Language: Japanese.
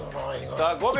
さあ５秒。